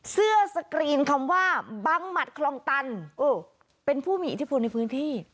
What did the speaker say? เสื้อสกรีนคำว่าบังหมัดคลองตันเป็นผู้มีอิทธิพลในพื้นที่